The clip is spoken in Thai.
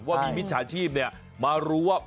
ว่ามีวิจาชีพเนี่ยมารู้ว่า